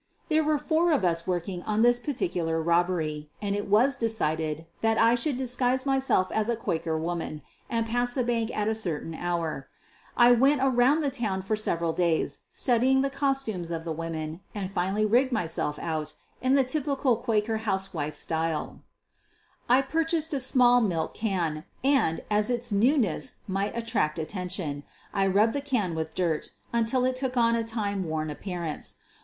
There were four of us working on this particular robbery, and it was decided that I should disguise myself as a Quaker woman and pass the bank at a certain hour. I went around the town for several days studying the costumes of the women and finally rigged myself out in the typical Quaker housewife atyle. QUEEN OF THE BURGLAKS 181 I purchased a small milk can and, as its newness might attract attention, I rubbed the can with dirt until it took on a time worn appearance.